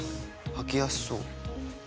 履きやすそう。